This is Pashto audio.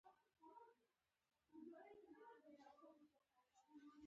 دا بې مينې خلک وګوره